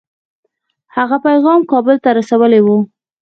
هغه پیغام کابل ته رسولی وو.